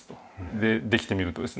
でできてみるとですね